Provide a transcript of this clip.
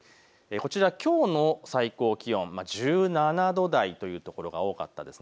こちらきょうの最高気温、１７度台という所が多かったようです。